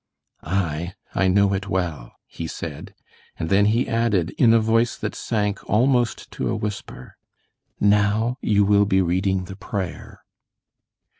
"Aye, I know it well," he said; and then he added, in a voice that sank almost to a whisper, "Now you will be reading the prayer."